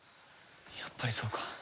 やっぱりそうか。